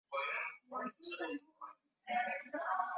ya kuniudhi kila saa